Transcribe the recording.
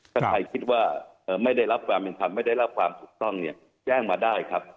ถ้าใครคิดว่าไม่ได้รับความเป็นธรรมไม่ได้รับความถูกต้องเนี่ยแจ้งมาได้ครับ